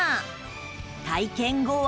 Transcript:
体験後は